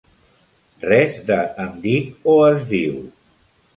Res de em dic o es diu.